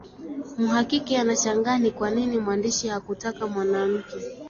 Mhakiki anashangaa ni kwa nini mwandishi hakutaka mwanamke